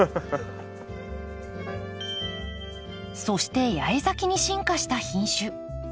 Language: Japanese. そして八重咲きに進化した品種。